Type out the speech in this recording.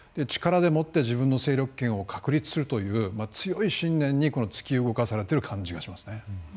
力でもって自分の勢力圏を確立するという強い信念に突き動かされている感じがしますね。